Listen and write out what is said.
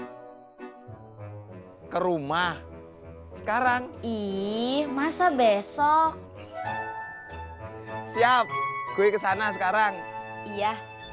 hai ke rumah sekarang ih masa besok siap gue kesana sekarang iya